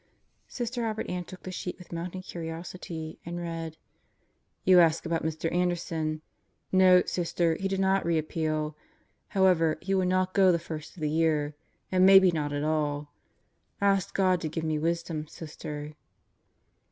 Sister Robert Ann took the sheet with mounting curiosity and read: "You ask about Mr. Anderson. No, Sister, he did not re appeal. However, he will not go the first of the year, and maybe not at all. Ask God to give me wisdom, Sister."